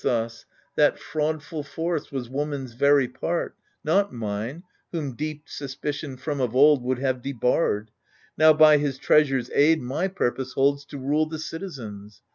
76 AGAMEMNON iEGISTHUS That fraudful force was woman's very part, Not mine, whom deep suspicion from of old Would have debarred. Now by his treasure's aid My purpose holds to rule the citizens.